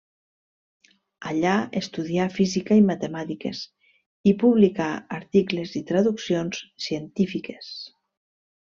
Allà estudià física i matemàtiques i publicà articles i traduccions científiques.